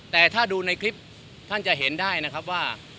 แต่ถ้าดูในคลิปท่านจะเห็นได้นะครับว่า